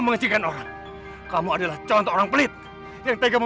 maka kita udah pulang tinggalkan kami